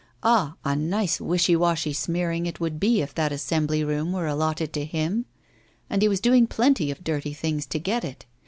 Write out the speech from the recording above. Ah! a nice wishy washy smearing it would be if that assembly room were allotted to him; and he was doing plenty of dirty things to get it.